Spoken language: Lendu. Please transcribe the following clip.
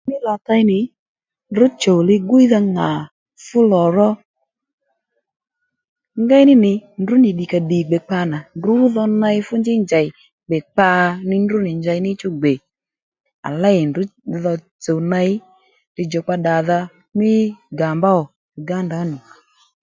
Mí lò tey nì ndrǔ chùw ligwídha ŋà fú lò ró ngéy ní nì ndrǔ nì ddikà ddì gbè kpa nà ndrǔ dho ney fú njí njèy gbè kpa ní ndrǔ nì njèy ní chú gbè à léy ndrǔ dho tsùw ney lidjùkpa ddadha dja mí gamba ò Uganda nì